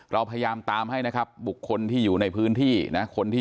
เราพยายามตามให้นะครับบุคคลที่อยู่ในพื้นที่นะคนที่